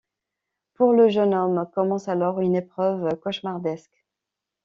Pour le jeune homme commence alors une épreuve cauchemardesque.